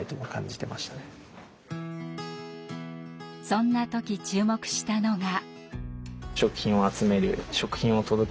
そんな時注目したのが。